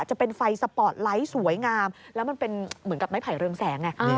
จะเป็นไฟสปอร์ตไลท์สวยงามแล้วมันเป็นเหมือนกับไม้ไผ่เรืองแสงไง